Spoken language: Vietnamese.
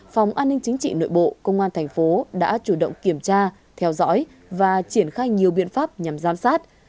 phòng an ninh chính trị nội bộ công an thành phố đã chủ động kiểm tra theo dõi và triển khai nhiều biện pháp nhằm giám sát